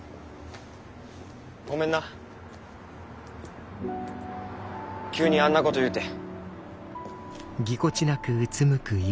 ごめんな急にあんなこと言うて。